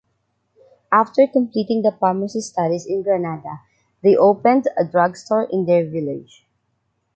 After completing the Pharmacy studies in Granada, they opened a drugstore in their village.